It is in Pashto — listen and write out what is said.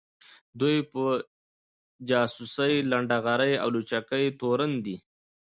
دوی په جاسوۍ ، لنډغري او لوچکۍ تورن دي